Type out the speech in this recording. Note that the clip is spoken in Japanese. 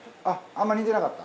あんま似てなかった？